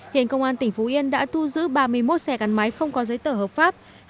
hiện công an tỉnh phú yên đã thu giữ ba mươi một xe gắn máy không có giấy tờ hợp pháp